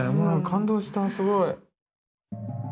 感動したすごい。